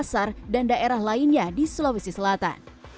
pasar dan daerah lainnya di sulawesi selatan